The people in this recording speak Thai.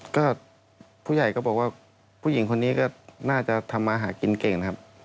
ก็ผู้ใหญ่ก็บอกว่าผู้หญิงคนนี้ก็น่าจะทำมาหากินเก่งนะครับ